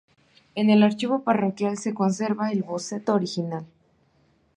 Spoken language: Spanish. En el archivo parroquial se conserva el boceto original.